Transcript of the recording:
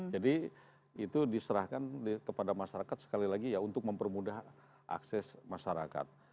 jadi itu diserahkan kepada masyarakat sekali lagi untuk mempermudah akses masyarakat